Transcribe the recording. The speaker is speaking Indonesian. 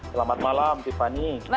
selamat malam tiffany